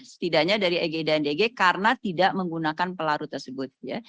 setidaknya dari eg dan dg karena tidak menggunakan pelarut tersebut ya